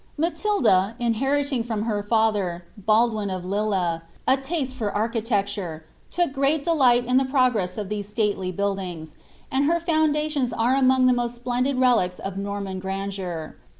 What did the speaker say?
^*j Matilda, inheriting from her father, Baldwin of Lille, a tisto for arclii lecture, took great delight in the progress of these stately buildings ; and her foundations are among the most splendid relics of Norman grandeur.